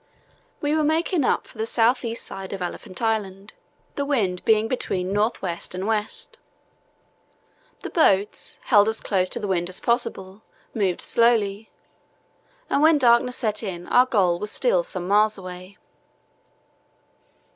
We were making up for the south east side of Elephant Island, the wind being between north west and west. The boats, held as close to the wind as possible, moved slowly, and when darkness set in our goal was still some miles away.